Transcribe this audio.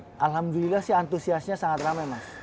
ya alhamdulillah sih antusiasnya sangat ramai mas